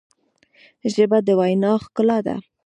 ژبه د وینا ښکلا ده.